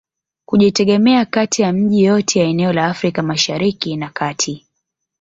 Kujitegemea kati ya miji yote ya eneo la Afrika masahariki na kati